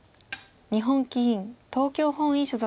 日本棋院東京本院所属。